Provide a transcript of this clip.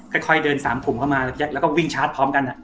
ค่อยเดินสามผมเข้ามาแจ๊คแล้วก็วิ่งชาร์จพร้อมกัน